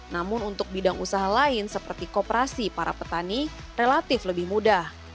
namun untuk bidang usaha lain seperti kooperasi para petani relatif lebih mudah